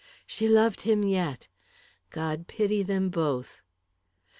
She loved him yet! God pity them both!